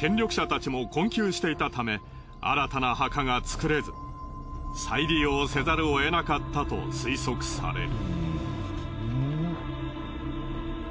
権力者たちも困窮していたため新たな墓が造れず再利用せざるをえなかったと推測される。